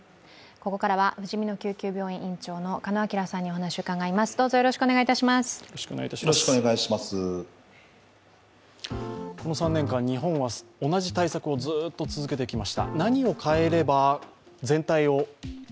ここからは、ふじみの救急病院院長の鹿野晃さんにお話を伺います。